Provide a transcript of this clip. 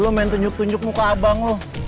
lo main tunjuk tunjuk muka abang loh